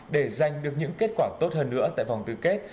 để giành được những kết quả tốt hơn nữa tại vòng tư kết